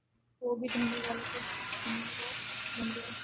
وہ بھی دھرنے والوں کے ہمنوا بن گئے۔